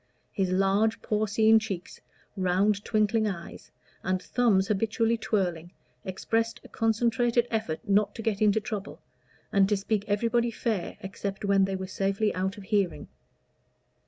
His large porcine cheeks, round twinkling eyes, and thumbs habitually twirling, expressed a concentrated effort not to get into trouble, and to speak everybody fair except when they were safely out of hearing.